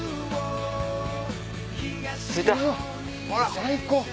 最高！